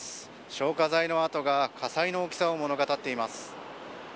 消火剤の跡が火災の大きさを物語っています。